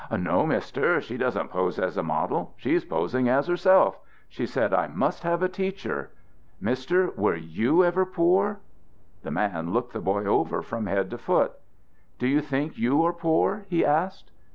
"No, Mister, she doesn't pose as a model. She's posing as herself. She said I must have a teacher. Mister, were you ever poor?" The man looked the boy over from head to foot. "Do you think you are poor?" he asked.